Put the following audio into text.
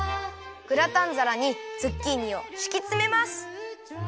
グラタンざらにズッキーニをしきつめます。